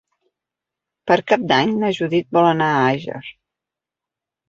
Per Cap d'Any na Judit vol anar a Àger.